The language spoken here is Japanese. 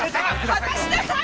離しなさい！